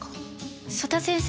曽田先生